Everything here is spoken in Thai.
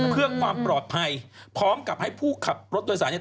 เพื่อความปลอดภัยพร้อมกับให้ผู้ขับรถโดยสารเนี่ย